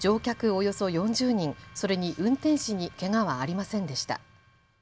およそ４０人、それに運転士にけがはありませんでした。